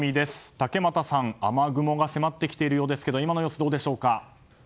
竹俣さん、雨雲が迫ってきているようですけど今の様子、どうでしょうか。